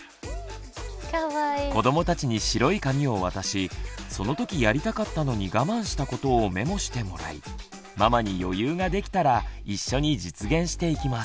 子どもたちに白い紙を渡しそのときやりたかったのに我慢したことをメモしてもらいママに余裕ができたら一緒に実現していきます。